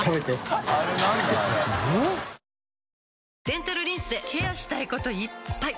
デンタルリンスでケアしたいこといっぱい！